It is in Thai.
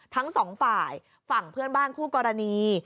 ทั้งสองฝ่ายฝั่งเพื่อนบ้านคู่กรณี